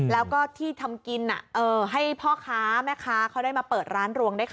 แล้วก็ที่ทำกินให้พ่อค้าแม่ค้าเขาได้มาเปิดร้านรวงด้วยค่ะ